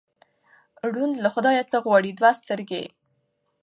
ـ ړوند له خدايه څه غواړي، دوې سترګې.